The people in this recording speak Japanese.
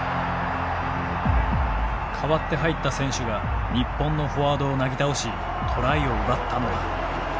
代わって入った選手が日本のフォワードをなぎ倒しトライを奪ったのだ。